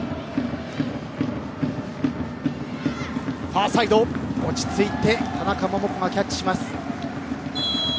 ファーサイド、落ち着いて田中桃子がキャッチしました。